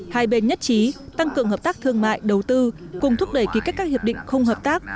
hai bên nhất trí tăng cường hợp tác thương mại đầu tư cùng thúc đẩy ký kết các hiệp định khung hợp tác